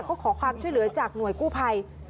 ก็ขอความช่วยเหลือจากหน่วยกู้ภัย